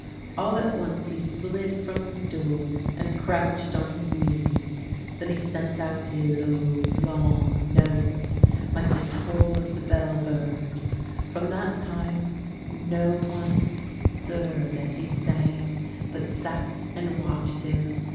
All at once he slid from the stool and crouched on his knees. Then he sent out a low long note, like the toll of the bell bird. From that time no one stirred as he sang, but sat and watched him.